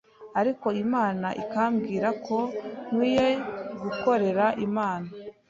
ariko Imana ikambwira ko nkwiye gukorera Imana,